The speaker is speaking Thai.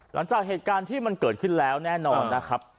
หลังจากเหตุการณ์ที่มันเกิดขึ้นแล้วแน่นอนนะครับ